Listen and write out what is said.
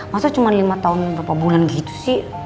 masa cuma lima tahun berapa bulan gitu sih